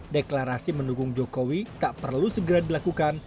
deklarasi mendukung jokowi tak perlu segera dilakukan